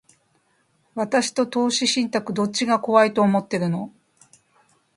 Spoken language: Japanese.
私と投資信託、どっちが怖いと思ってるの？